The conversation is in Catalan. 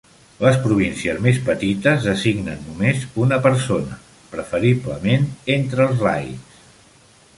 Les províncies més petites designen només una persona, preferiblement entre els laics.